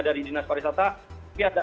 dari dinas pariwisata tapi ada